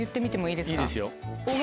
いいですよ。